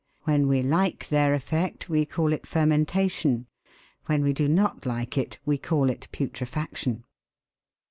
When we like their effect, we call it "fermentation," when we do not like it, we call it "putrefaction."